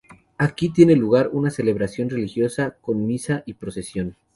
Aquí tiene lugar una celebración religiosa, con misa y procesión.